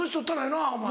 なお前。